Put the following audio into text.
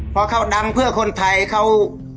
พอเขาดังเพื่อคนไทยเขา